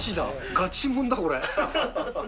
ガチもんだ、これ。